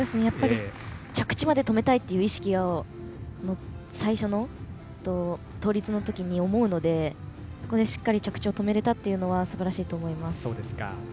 着地まで止めたいという意識を最初の倒立のときに思うのでそこでしっかり着地を止められたっていうのはすばらしいと思います。